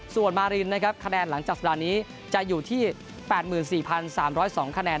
ส่วนมารินนะครับคะแนนหลังจากส่วนนี้จะอยู่ที่แปดหมื่นสี่พันสามร้อยสองคะแนน